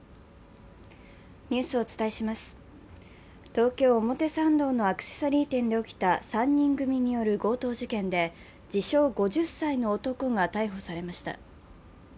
東京・表参道のアクセサリー店で起きた３人組による強盗事件で、自称５０歳の男が逮捕されました。